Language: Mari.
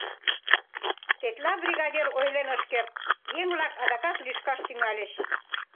Тетла бригадир ойлен ыш керт: еҥ-влак адакат лӱшкаш тӱҥальыч.